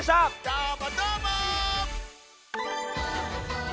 どーもどーも！